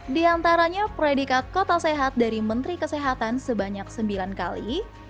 di antaranya predikat kota sehat dari menteri kesehatan sebanyak sembilan kali